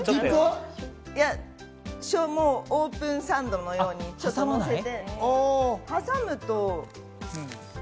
オープンサンドのようにのせて。